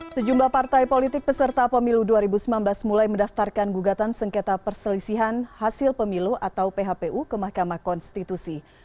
sejumlah partai politik peserta pemilu dua ribu sembilan belas mulai mendaftarkan gugatan sengketa perselisihan hasil pemilu atau phpu ke mahkamah konstitusi